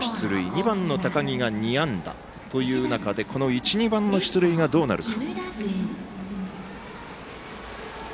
２番の高木が２安打という中で１、２番の出塁がどうか。